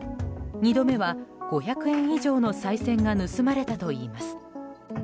２度目は５００円以上のさい銭が盗まれたといいます。